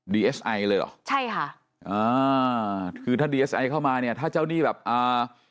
เอสไอเลยเหรอใช่ค่ะอ่าคือถ้าดีเอสไอเข้ามาเนี่ยถ้าเจ้าหนี้แบบอ่า